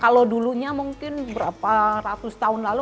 kalau dulunya mungkin berapa ratus tahun lalu